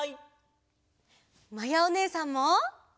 まやおねえさんも！